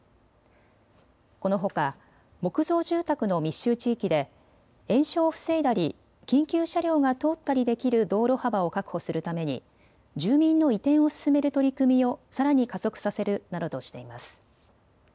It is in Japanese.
このほか木造住宅の密集地域で延焼を防いだり、緊急車両が通ったりできる道路幅を確保するために住民の移転を進める取り組みをさらに加速させるなどとしています。